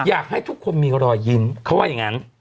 อยากให้ทุกคนมีรอยยิ้มเขาว่าอย่างนั้น